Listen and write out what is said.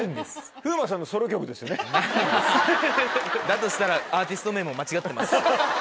だとしたらアーティスト名も間違ってますし。